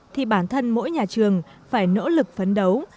thì bản thân mỗi nhà trường phải nỗ lực phấn đấu